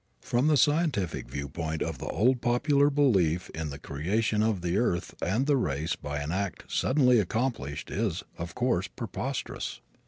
From the scientific viewpoint the old popular belief in the creation of the earth and the race by an act suddenly accomplished is, of course, preposterous.